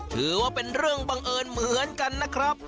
ถือว่าเป็นเรื่องบังเอิญเหมือนกันนะครับ